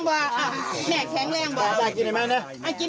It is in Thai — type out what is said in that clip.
โซ่เทียบน้ำที่วินิดอยู่